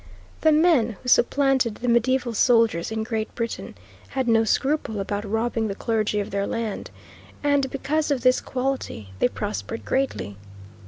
The men who supplanted the mediaeval soldiers in Great Britain had no scruple about robbing the clergy of their land, and because of this quality they prospered greatly.